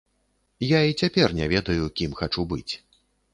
Я і цяпер не ведаю, кім хачу быць.